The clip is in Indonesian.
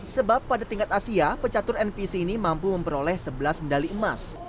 sebab pada tingkat asia pecatur npc ini mampu memperoleh sebelas medali emas